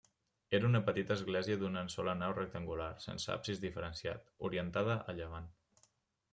Era una petita església d'una sola nau rectangular, sense absis diferenciat, orientada a llevant.